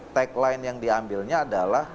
tagline yang diambilnya adalah